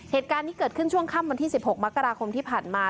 เหตุการณ์นี้เกิดขึ้นช่วงค่ำวันที่๑๖มกราคมที่ผ่านมา